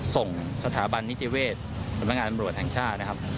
ส่งสถาบันนิติเวศสำนักงานตำรวจแห่งชาตินะครับ